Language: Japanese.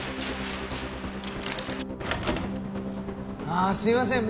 ああすいません。